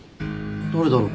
誰だろう？